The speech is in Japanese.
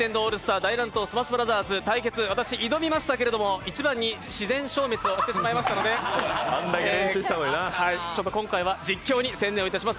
大乱闘スマッシュブラザーズ」対決、私挑みましたけれども、一番に自然消滅をしてしまいましたので今回は実況に専念をいたします。